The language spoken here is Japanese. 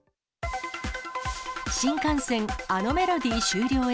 新幹線あのメロディー終了へ。